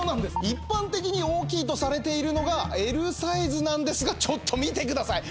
一般的に大きいとされているのがＬサイズなんですがちょっと見てください。